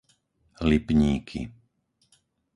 Lipníky